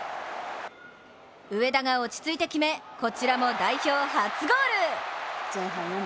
上田が落ち着いて決めこちらも代表初ゴール。